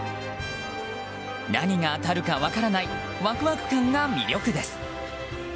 何が当たるか分からないワクワク感が魅力です。